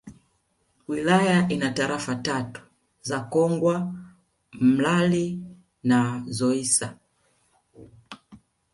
Wilaya ina Tarafa tatu za Kongwa Mlali na Zoissa